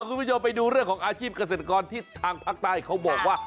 คุณผู้ชมไปดูเรื่องของอาชีพเกษตรกรที่ทางภาคใต้เขาบอกว่า